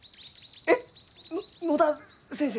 えっ！？の野田先生？